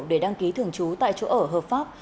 để đăng ký thường trú tại chỗ ở hợp pháp